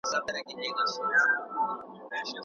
موږ بايد خپل هويت وپېژنو.